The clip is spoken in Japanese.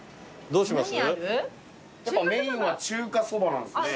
どうします？